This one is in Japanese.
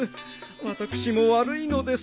私も悪いのです。